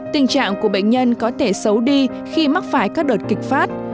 tình trạng của bệnh nhân có thể xấu đi khi mắc phải các đợt kịch phát